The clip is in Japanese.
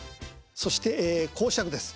そして講釈です。